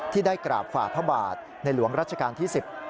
ที่ได้กราบฝ่าพระบาทในหลวงรัชกาลที่๑๐